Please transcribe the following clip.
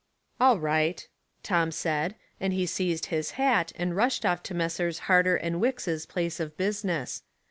'' All right," Tom said, and he seized his hat and rushed off to Messrs. Harter & Wicks' place of business.